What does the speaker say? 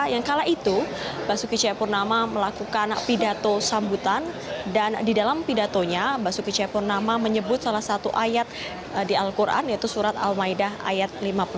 yang kala itu basuki cahayapurnama melakukan pidato sambutan dan di dalam pidatonya basuki cepurnama menyebut salah satu ayat di al quran yaitu surat al maidah ayat lima puluh satu